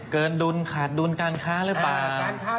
ดุลขาดดุลการค้าหรือเปล่า